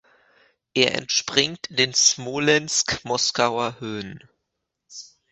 Er entspringt in den Smolensk-Moskauer Höhen.